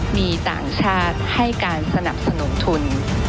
มีต่างชาติให้การสนับสนุนทุน